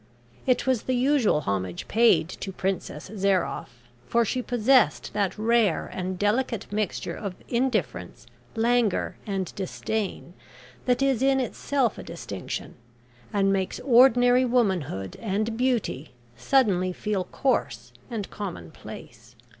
It was the usual homage paid to Princess Zairoff, for she possessed that rare and delicate mixture of indifference, languor, and disdain that is in itself a distinction, and makes ordinary womanhood and beauty suddenly feel coarse and commonplace.